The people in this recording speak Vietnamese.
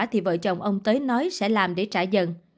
thì vợ chồng ông tới nói sẽ làm để trả dần